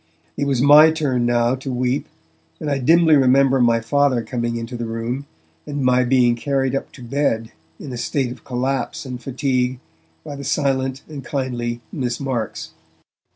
It was my turn now to weep, and I dimly remember any Father coming into the room, and my being carried up to bed, in a state of collapse and fatigue, by the silent and kindly Miss Marks.